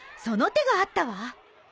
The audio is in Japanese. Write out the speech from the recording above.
その手があったわ！